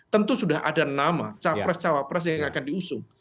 tentu sudah ada nama capres cawapres yang akan diusung